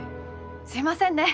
すいませんね！